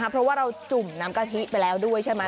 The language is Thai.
เพราะว่าเราจุ่มน้ำกะทิไปแล้วด้วยใช่ไหม